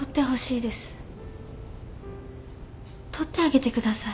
撮ってあげてください。